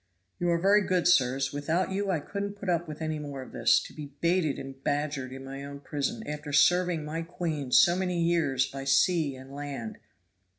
"You are very good, sirs. Without you I couldn't put up with any more of this to be baited and badgered in my own prison, after serving my queen so many years by sea and land."